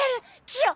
キヨ！